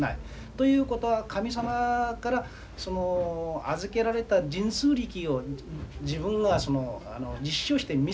ということは神様から預けられた神通力を自分が実証して見せるわけです。